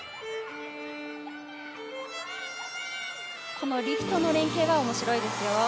このリフトの連係は面白いですよ。